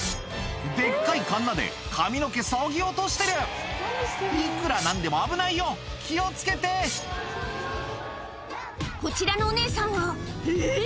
デッカいかんなで髪の毛削ぎ落としてるいくら何でも危ないよ気を付けてこちらのお姉さんはえっ！